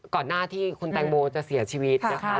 ก่อนหน้าที่คุณแตงโมจะเสียชีวิตนะคะ